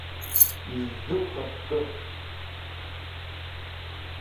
Иззы ухацкы?